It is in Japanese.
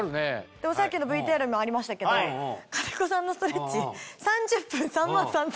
でもさっきのＶＴＲにもありましたけど兼子さんのストレッチ３０分３万３０００円ですよ。